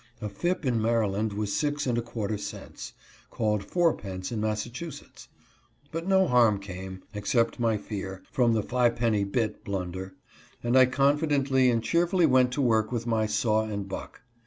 A ftp in Maryland was six and a quarter cents, called fourpence in Massachusetts. But no harm came, except my fear, from the " fipenny bit " blunder, and I confidently and cheer fully went to work with my saw and buck.